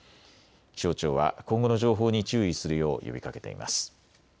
気象庁は今後の情報に注意するよう呼びかけています。